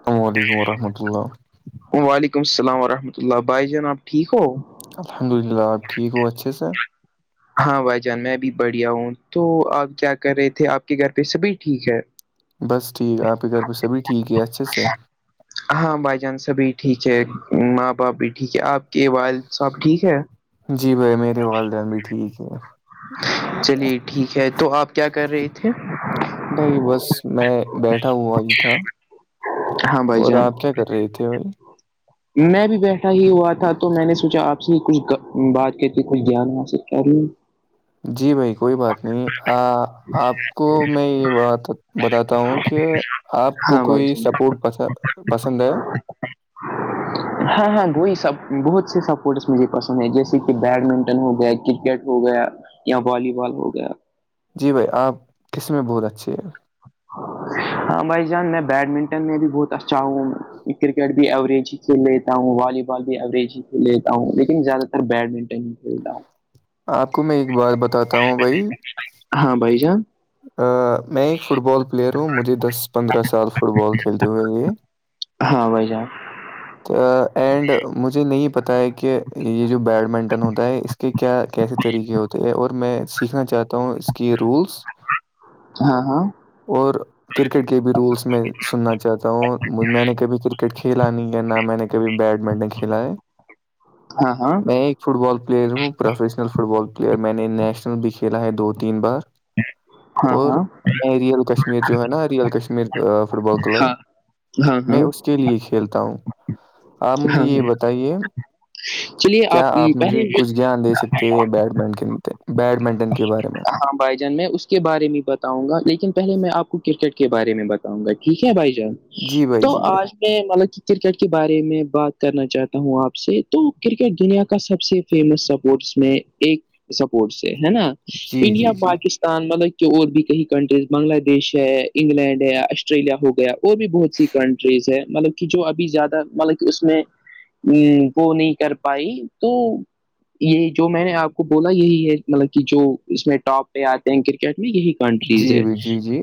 السلام علیکم و رحمۃاللہ وعلیکم السلام ورحمۃ اللہ بھائی جان آپ ٹھیک ہو الحمد للہ آپ ٹھیک ہو اچھے سے ہاں بھائی جان میں بھی بڑھیا ہوں تو آپ کیا کر رہے تھے آپ کے گھر پہ سبھی ٹھیک ہے بس جی آپ کے گھر پہ سبھی ٹھیک ہے اچھے سے ہاں بھائی جان سبھی ٹھیک ہے ماں باپ بھی ٹھیک ہے آپ کے والد صاحب ٹھیک ہے جی بھائی میرے والدین بھی ٹھیک ہے چلیے ٹھیک ہے تو آپ کیا کر رہے تھے بھائی بس میں بیٹھ اٹھا ہوا ہی تھا ہاں بھائی اور جان آپ کیا کر رہے تھے بھائی میں بھی بیٹھا ہی ہوا تھا تو میں نے سوچا آپ کچھ بات کہتی کچھ گان حاصل کر رہی جی بھائی کوئی بات نہیں آپ کو میں یہ بات بتاتا ہوں کہ آپ کو ہاں بھائی کوئی جان سپورٹس پسند ہے ہاں ہاں وہی سب بہت سے سپورٹس مجھے پسند ہیں جیسے کہ بیڈمنٹن ہو گیا کرکٹ ہو گیا یا والی بال ہو گیا جی بھائی آپ کس میں بہت اچھے ہیں [inaudible] ہاں بھائی جان میں بیڈمنٹن میں بھی بہت اچھا ہوں کرکٹ بھی ایوریج ہی جی لیتا ہوں والی بال بھی اوریج ہی سے لیتا ہوں لیکن زیادہ تر بیڈمنٹن ہی کھیلتا ہوں آپ کو میں ایک بات بتاتا ہوں بھائی ہاں بھائی جان میں ایک فٹ بال پلیئر ہوں مجھے دس پندرہ سال فٹ بال کھیلتے ہوئے ہے ہاں بھائی جان اینڈ مجھے نہیں پتا ہے کہ یہ جو بیڈمنٹن ہوتا ہے اس کہ کیا کیسے طریقے ہوتے ہیں اور میں سیکھنا چاہتا ہوں اس کے رولس ہاں ہاں اور کرکٹ کے بھی رولس میں سننا چاہتا ہوں میں نے کبھی کرکٹ کھیلا نہیں ہے نہ میں نے کبھی بیڈمنٹن کھیلا ہے ہاں میں ہاں ایک فٹ بال پلیئر ہوں professional football player میں نے نیشنل بھی کھیلا ہے دو تین بار ہاں اور ہاں میں ریئل کشمیر جو ہے نا real Kashmir football club ہاں ہاں میں ہاں اس کے لیے کھیلتا ہوں آپ مجھے ہاں یہ ہاں بتائیے چلیے کیا آپ مجھے پہلے کچھ گیان دے سکتے ہیں بیڈمنٹن بیڈمنٹن کے بارے میں ہاں بھائی جان میں اس کے بارے میں بتاؤں گا لیکن پہلے میں آپ کو کرکٹ کے بارے میں بتاؤں گا ٹھیک ہے بھائی جان جی بھائی تو جی بھائی آج میں مطلب کہ کرکٹ کے بارے میں بات کرنا چاہتا ہوں آپ سے تو کرکٹ دنیا کا سب سے فیمس سپورٹس میں ایک سپورٹس سے ہے نا جی انڈیا جی جی پاکستان مطلب کہ اور بھی کئی کنٹریز بنگلہ دیش ہے انگلینڈ ہے آسٹریلیا ہو گیا اور بھی بہت سی کنٹریز ہے مطلب کہ جو ابھی زیادہ مطلب کہ اس میں ہ وہ نہیں کر پائی تو یہ جو میں نے آپ کو بولا یہی ہے مطلب کہ جو اس میں ٹاپ پہ آتے ہیں کرکٹ میں یہی کنٹریز جی ہے بھائی جی جی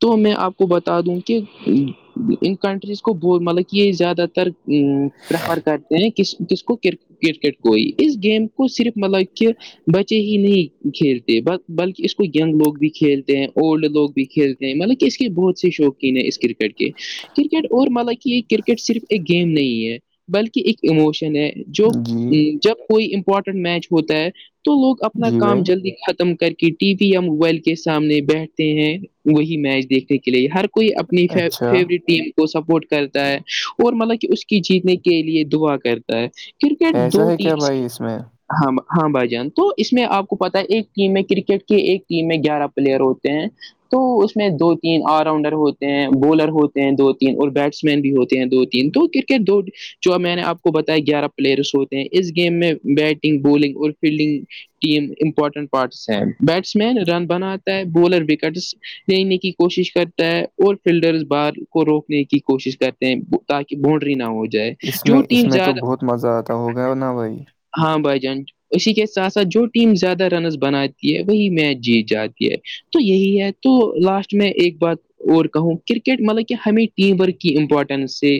تو میں آپ کو بتا دوں کہ ان کنٹریز کو ب مطلب کہ یہ زیادہ پریفر کرتے ہیں کس کس کو کر کرکٹ کوئی اس گیم کو صرف مطلب کہ بچے ہی نہیں کھیلتے بلکہ اس کو ینگ لوگ بھی کھیلتے ہیں اولڈ لوگ بھی کھیلتے ہیں مطلب کہ اس کے بہت سے شوق اس کرکٹ کے کرکٹ اور مالا کی یہ کرکٹ صرف ایک گیم نہیں ہے بلکہ ایک اموشن ہے جو جی جب کوئی امپورٹنٹ میچ ہوتا ہے تو لوگ اپنا جی کام بھائی ختم کر کے ٹی وی یا موبائل کے سامنے بیٹھتے ہیں وہی میچ دیکھنے کے لیے ہر کوئی اپنی ف اچھا فیوریٹ ٹیم سپورٹ کرتا ہے اور مطلب کہ اس کی جیتنے کے لیے دعا کرتا ہے کرکٹ ایسا دو ہے کیا ٹیمس بھائی اس میں ہاں ہاں بھائی جان تو اس میں آپ پتا ہے ایک ٹیم میں کرکٹ کے ایک ٹیم میں گیارہ پلیئر ہوتے ہیں تو اس میں دو تین آل راؤنڈر ہوتے ہیں بولر ہوتے ہیں دو تین اور بیٹس مین بھی ہوتے ہیں دو تین دن تو کرکٹ دو جو اب میں نے آپ کو بتایا گیارہ پلیئرس ہوتے ہیں اس گیم میں بیٹنگ بالنگ اور فیلڈنگ ٹیم امپورٹنٹ پارٹس ہے بیٹس مین رن بناتا ہے بولر وکٹس دنے کی کوشش کرتا ہے اور فلڈرز بار کو روکنے کی کوشش کرتا تاکہ بونڈری نہ ہو جائے اس جو میں اس ٹیم میں تو زیادہ بہت مزہ آتا ہو گیا نا بھائی ہاں بھ جان اسی کے ساتھ ساتھ جھوٹ ٹیم زیادہ رنز بناتی ہے وہی میچ جیت جاتی ہے تو یہی ہے تو لاسٹ میں ایک بات اور کہوں کرکٹ مطلب کہ ہمیں ٹیم ورک کی امپورٹینس سے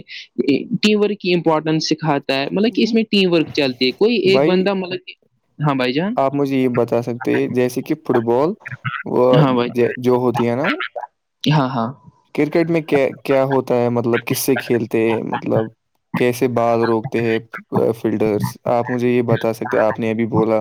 ٹیم ورک کی امپورٹنس سکھاتے ہے مطلب کہ اس میں ٹیم ورک چلتی ہے کوئی ایک بھائی بندہ مطلب کہ ہاں بھائی جان آپ مجھے یہ بتا سکتے ہیں جیسے کہ فٹ بال وہ ہاں بھائی جو ہوتی ہے نا ہاں ہاں کرکٹ میں کیا کیا ہوتا ہے مطلب کس سے کھیلتے ہیں مطلب کیسے بعض روکتے ہیں فلٹرس آپ مجھے یہ بتا سکتے آپ نے ابھی بولا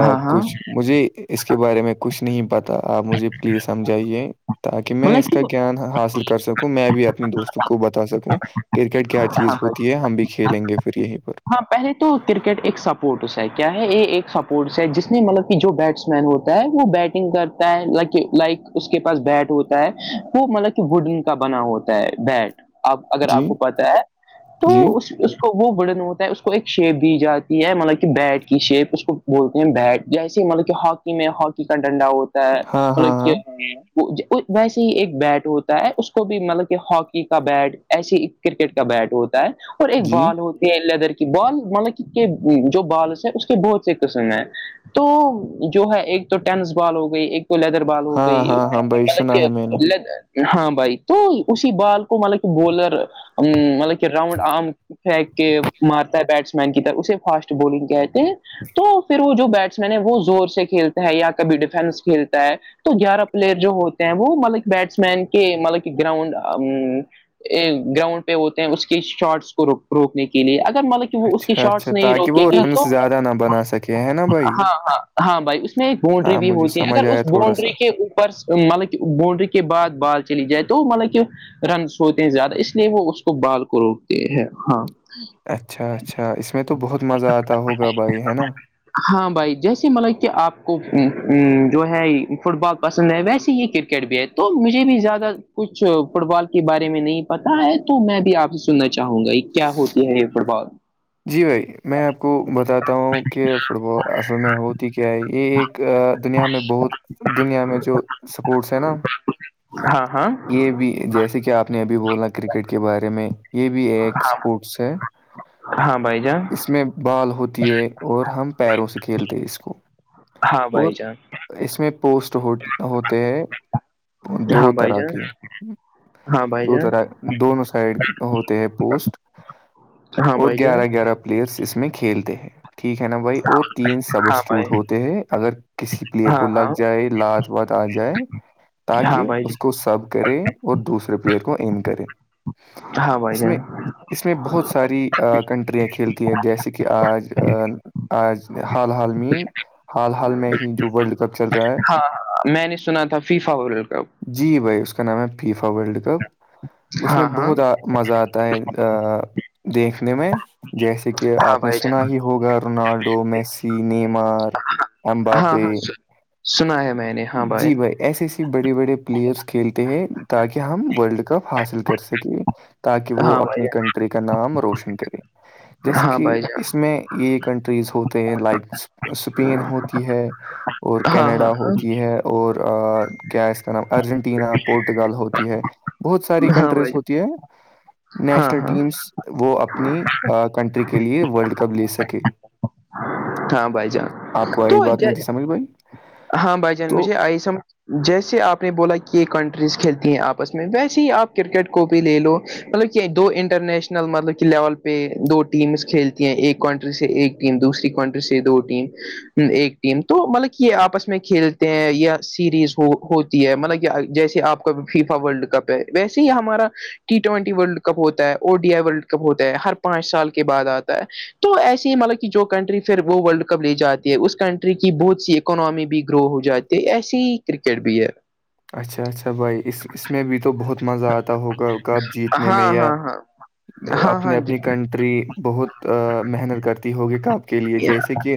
ہاں ہاں کچھ مجھے اس کے بارے میں کچھ نہیں پتا آپ مجھے پلیز سمجھائیے تاکہ میں اس مطلب کا کہ گان حاصل کر سکوں میں بھی اپنی دوستوں کو بتا سکوں کرکٹ کیا چیز ہاں ہوتی ہے ہم بھی کھیلیں گے پھر یہیں پر ہاں پہلے تو کرکٹ ایک سپورٹس ہے کیا ہے یہ ایک سپورٹس ہے جس نے مطلب کہ جو بیٹس م ہوتا ہے وہ بیٹنگ کرتا ہے لائک اس کے پاس بیٹ ہوتا ہے وہ مطلب وڈن کا بنا ہوتا ہے بیٹ آپ اگر جی آپ کو پتا ہے تو جی اس کو وہ بڑن ہوتا اس کو ایک شیپ دی جاتی ہے مطلب کہ بیٹ کی شیپ اس کو بولتے ہیں بیٹ جیسے مطلب کہ ہاک میں ہاکی کا ڈنڈا ہوتا ہے ہاں ہاں ہاں مطلب ویسے ہی ایک بیٹ ہوتا ہے اس کو بھی مطلب کہ ہاکی کا بیٹ ایسیے کرکٹ کا بیٹ ہوتا ہے اور ایک جی بال ہوتی ہے لیدر کے بال مطلب جو بالس ہیں اس کے بہت سے قسم ہیں تو جو ہے ایک تو ٹینس بال ہو گئی ایک تو لیدر بال ہو ہاں ہاں ہاں بھائی سنا ہے میں نے گئیط ہاں بھائی تو اسی بال کو مطلب کہ بولر مطلب کہ راؤنڈ آم پھینک کے مارتا ہے بیٹسمین کی طرح اسے فاسٹ بالنگ کہتے ہیں تو پھر وہ جو بیٹسمین ہے وہ زور سے کھیلتا ہے یا کبھی ڈیفینس کھیلتا ہے تو گیارہ پلیئر جو ہوتے ہیں وہ مطلب کہ بیٹسمین کے مطلب کہ گراؤنڈ گراؤنڈ پہ ہوتے ہیں اس کی شارٹس کو روکنے کے لیے اگر مطلب وہ اس کی اچھا اچھا شارٹس نہیں تاکہ روکیں وہ گے رنس تو زیادہ نہ بنا سکے ہے نا بھائی ہاں ہاں ہاں بھائی اس ایک باؤنڈری ہاں بھی مجھے ہوتی ہے سمجھ اگر اس آیا تھوڑا سا باؤونڈری کے اوپر مطلب کہ باونڈری کے بعد بال چلی جائے تو مطلب کہ رنس ہوتے ہیں زیادہ اس لیے وہ اس کو بال کو روکتے ہیں ہاں اچھا اچھا اس میں تو بہت مزہ آتا ہوگا بھائی ہے نا ہاں بھائی جیسے مطلب کہ آپ کو جو ہے فٹ بال پسند ہے ویسے ہی کرکٹ بھی ہے تو مجھے بھی زیادہ کچھ فٹ بال کے بارے میں نہیں پتا ہے تو میں بھی آپ سے سننا چاہوں گا ایک کیا ہوتی ہے یہ فٹ بال جی بھائی میں آپ کو بتاات بتا ہوں کہ فٹ بال اصل میں ہوتی کیا ہے یہ ایک دنیا میں بہت دنیا میں جو سپورٹس ہے نا ہاں ہاں یہ بھی جیسے کہ آپ نے ابھی بولا کرکٹ کے بارے میں یہ بھی ایک اسپورٹس ہے ہاں بھائی جان اس میں بال ہوتی ہے اور ہم پیروں سے کھیلتے ہیں اس کو ہاں اور بھائی جان اس میں پوسٹ ہو ہوتے ہیں دو ہاں بھائی طرح جان کی ہاں بھائی دو جان طرح دونوں سائڈ ہوتے ہیں پوسٹ ہاں اور بھائی جان گیارہ گیارہ پلیئرس اس میں کھیلتے ہیں ٹھیک ہے نا بھائی اور تین سب ہاں بھائی اسٹیوٹ ہوتے ہیں اگر کسی پلیئر ہاں کو ہاں لگ جائے لات وات آ جائے ہاں تاکہ بھائی اس کو سب کرے اور دوسرے پیئر کو انین کرے ہاں بائی اس میں جین اس میں بہت ساری کنٹریاں کھیلتی ہیں جیسے کہ آج آج حال حال میں حال حال میں ہی جو ورلڈ کپ چل رہا ہے ہاں ہاں میں نے سنا تھا فیفا ورلڈ کپ جی بھائی اس کا نام ہے فیفا ورلڈ کپ اس میں ہاں ہاں بہت مزہ آتا ہے دیکھنے میں جیسے دھیک ہاں آپ نے بھائی سنا جان ہی ہوگا رونالڈو میسی نیمار ہاں ایمباپے ہاں سنا ہے میں نے ہاں بھائی ایسے ایسے بڑے بڑے پلیئرس کھیلتے ہیں تاکہ ہم ورلڈ کپ حاصل کر سکیں تاکہ وہ ہاں بھائی اپنی جان کنٹری کا نام روشن کرے جیسے ہاں کہ بھائی جان اس میں یہ کنٹریز ہوتے ہیں لائک اسپین ہوتی ہے اور ہاں ہاں کینیڈا ہوتی ہے اور کیا اس کا نام ارجنٹینا پورٹگال ہوتی ہے بہت ساری ہاں ہاں کنٹریز بھائی ہوتی ہے ہاں نیشنل ہاں ٹیمس وہ اپنی کنٹری کے لیئے ورلڈ کپ لے سکے ہاں بھائی جان آپ کو آئی تو بات نہیں جے- تھی سمجھ بھائی ہاں بھائی جان تو مجھے آئی سمجھ جیسے آپ نے بولا کہ ک س کھیلتی ہیں آپس میں ویسے ہی آپ کرکٹ کو بھی لے لو مطلب کہ دو انٹرنیشنل مطلب کہ لیول پہ دو ٹیمس کھیلتی ہیں ایک کنٹری سے ایک دوسری کنٹری سے دو ٹیم ایک ٹیم تو مطلب یہ آپس میں میں کھیلتے ہیں یا سیریز ہوتی ہے مطلب جیسے آپ کا فیفا ورلڈ کپ ویسے ہی ہمارا ٹی ٹوینٹی ورلڈ کپ ہوتا ہے O D I world cup ہوتا ہے ہر پانچ سال کے بعد آتا ہے تو ایسسی ہی مطلب کہ جو کنٹری پھر وہ ورلڈ کپ لے جاتی اس کنٹری کی بہت سی اکناممی بھی گرو ہو جاتی ہے ایسے ہی کرکٹ بھی ہے اچھا اچھا بھائی اس اس میں بھی تو بہت مزہ آتا ہوگا کپ جیتنے ہاں میں یا ہاں ہاں ہاں اپنی اپنی ہاں کنٹری بہت محنت کرتی ہوگی کاپ کے لیے جیسے کہ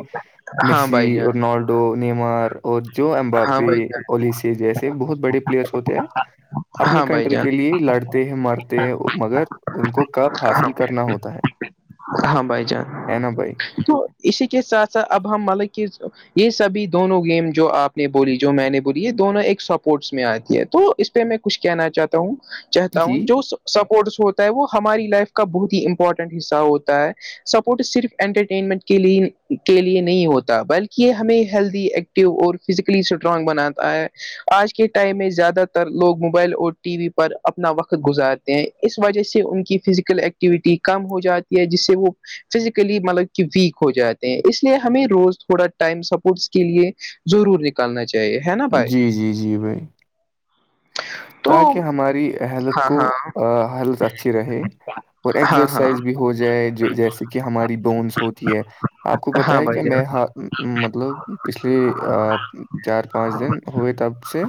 ہاں مسی بھائی جان اور نار نیمار اور جو ہاں امباپی بھائی جان الیسی جیسے بہت بڑے پلیئرس ہوتے ہیں اپنی ہاں بھائی کنٹری جان کے لیے لڑتے ہیں مرتے ہیں مگر ان کو کب حاصل ہاں کرنا ہوتا ہے ہاں بھائی جان ہے نا بھائی تو اسی کے ساتھ ساتھ اب ہم ملک یہ سبھی دونوں گیم جو آپ نے بولی جو میں نے بولی یہ دونوں ایک سپورٹس میں آتی ہے تو اس پہ میں کچھ کہنا چاہتا ہ ہوں چاہتا ہوں جی جو سپورٹس ہوتا ہے وہ ہماری لائف کا بہت ہی امپورٹنٹ حصہ ہوتا ہے سپورٹ صرف انٹرٹینمنٹ کےے کے لیے نہیں ہوتا بلکہ یہ ہمیں ہیلدی ایکٹیو اور فزیکلی اسٹرانگ بناتا ہے آج کے ٹائم میں زیادہ تر لوگ موبائل اور ٹی وی پر اپنا وقت گزار اس وجہ سے ان کی فزیکل ایکٹیویٹی کم ہو جاتی ہے جس سے وہ فزیکلی مطلب کہ ویک ہو جاتے ہیں اس لیے ہمیں روز تھوڑا ٹائم سپورٹس کے لیے ضرور نکالنا چاہیے ہے نا بھائی جی جی جی بھائی تو تاکہ ہماری ہیلت ہاں کو ہاں ہیلت اچھی رہے اور ہاں ہاں ایکزرسائز بھی ہو جائے جو جیسے کہ ہماری بونس ہوتی ہے آپ کو پتا ہاں ہے کہ بھائی میں جان ہ مطلب پچھلے چار پانچ دن ہوئے تب سے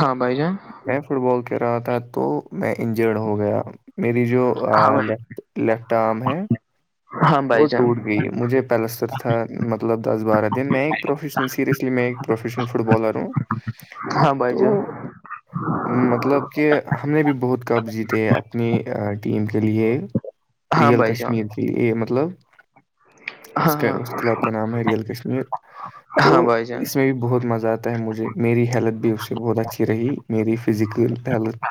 ہاں بھائی جان میں فٹ بال کہ رہا تھا تو میں انجرڈ ہو گیا میری جو ہاں بھائی لیفٹ لیفٹ آرم ہے ہاں بھائی وہ جان ٹوٹ گئی مجھے پلسر تھا مطلب دس بارہ دن میں ایک پروفیشنل سیریسلی میں ایک پروفیشنل فٹ بالر ہوں ہاں بھائی جو تو مطلب کہ ہم نے بھی بہت کب جیتے اپنی ٹیم کے لیے ہاں ریئل بھائی جان کشمیر کے لیے مطلب اس ہاں کا ہاں اس کلب کا نام ہے ریئل کشمیر تو ہاں بھائی جان اس میں بھی بہت مزہ آتا ہے مجھے میری ہیلتھ بھی اس سے بہت اچھی رہی میری فزیکل ہیلتھ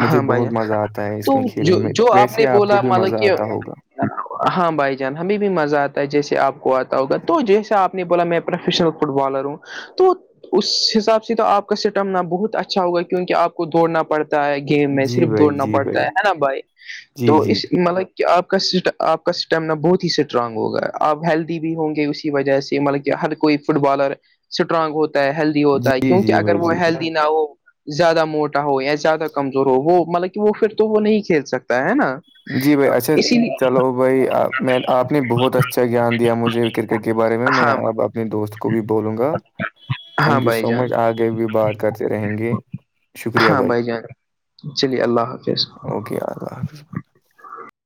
مجھے ہاں بھائی جان بہت مزہ آتا ہے تو اس میں جو کھیلنے میں جو نے ویسے آپ کو بولا بھی مزہ مطلب کہ آتا ہوگا ہاں بھائی جان ہمیں بھی مزہ آتا ہے جیسے آپ کو آتا ہوگا تو جیسے آپ نے بولا میں پروفیشنل فٹ بالر ہوں تو اس حساب سے تو آپ کا سٹم نہ بہت اچھا ہوگا کیونک آپ کو دوڑنا پڑتا ہے گیم میں جی صرف بھائی دوڑنا جی پڑتا بھائی ہے ہے نا بھائی جی تو جی اس مطلب کہ آپ کا آپ کا اسٹمنا بہت ہی اسٹرانگ ہوگا آپ ہیلدی بھی ہوں گے اسی وجہ سے مطلب کہ ہر کوئی فٹ بالر اسٹرانگ ہوتا ہے ہیلت ہوتا ہے جی کیونک جی اگر بھائی وہ جی ہیلدی نہ ہو زیادہ موٹا ہو یا زیادہ کمزور ہو وہ مطلب وہ پھر تو وہ نہیں کھیل سکتا ہے نا جی بھائی اچھا اسی لیے چلو بھائی میں آپ نے بہت اچھا گان دیا مجھے کرکٹ کے بارے میں میں ہاں اب اپنے دوست کو بھی بولوں گا تھینک ہاں یو بھائی سو جان مچ آگے بھی بات کرتے رہیں گے شکریہ ہاں بھائی جان چلیے اللہ حافظ اوکے اللہ حافظ بھائی